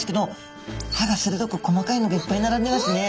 歯がするどく細かいのがいっぱい並んでますね。